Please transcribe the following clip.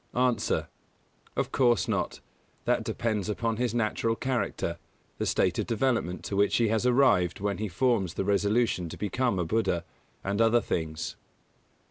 _ A. Of course not: that depends upon his natural character, the state of development to which he has arrived when he forms the resolution to become a Buddha, and other things.